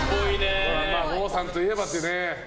郷さんといえばっていうね。